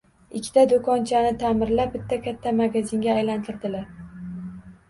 Ikkita do`konchani ta`mirlab, bitta katta magazinga aylantirdilar